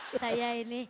nah saya ini